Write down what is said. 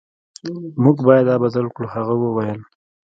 موږ باید دا بدل کړو هغه وویل